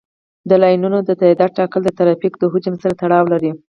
د لاینونو د تعداد ټاکل د ترافیک د حجم سره تړاو لري